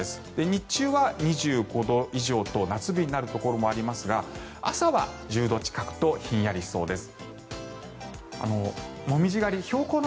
日中は２５度以上と夏日になるところもありますが朝は１０度近くとひんやりしそうです。